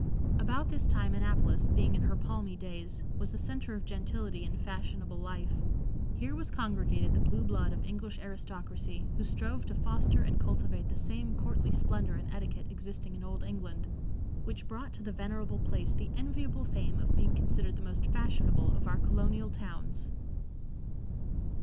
About this time Annapolis, being in her palmy days, was the center of gentility and fashionable life; here was congregated the blue blood of English aristocracy, who strove to foster and cultivate the same courtly splendor and etiquette existing in old England, which brought to the venerable place the enviable fame of being considered the most fashionable of our colonial towns.